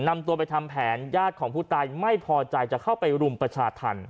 นำตัวไปทำแผนญาติของผู้ตายไม่พอใจจะเข้าไปรุมประชาธรรม